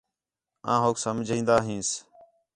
آں ہوک سمجھین٘دا ہنس